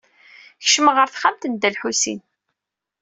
Kecmeɣ ɣer texxamt n Dda Lḥusin.